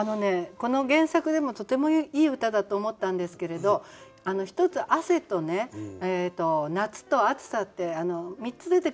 この原作でもとてもいい歌だと思ったんですけれど一つ「汗」とね「夏」と「暑さ」って３つ出てくるんですね。